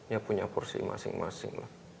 ya punya porsi masing masing lah